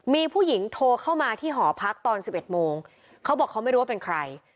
มีผู้หญิงโทรเข้ามาที่หอพักตอน๑๑โมงเขาบอกเขาไม่รู้ว่าเป็นใคร